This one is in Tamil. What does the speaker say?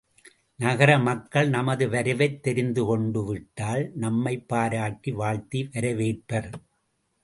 நகர மக்கள் நமது வரவைத் தெரிந்துகொண்டு விட்டால் நம்மைப் பாராட்டி வாழ்த்தி வரவேற்பர்.